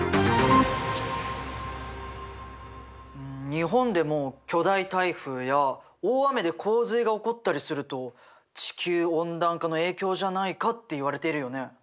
日本でも巨大台風や大雨で洪水が起こったりすると地球温暖化の影響じゃないかっていわれてるよね。